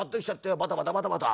バタバタバタバタ。